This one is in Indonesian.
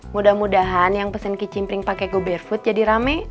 mudah mudahan yang pesen kicimpring pake go beerfood jadi rame